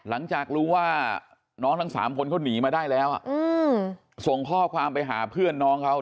หลังจากรู้ว่าน้องทั้ง๓คนเขาหนีมาได้แล้วส่งข้อความไปหาเพื่อนน้องเขา